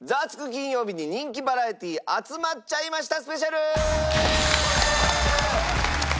金曜日に人気バラエティ集まっちゃいましたスペシャル』！